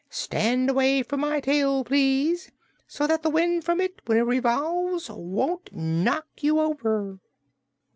Stand away from my tail, please, so that the wind from it, when it revolves, won't knock you over."